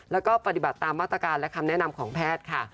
แล้วก็ปฏิบัติตามมาตรการและคำแนะนำของแพทย์ค่ะ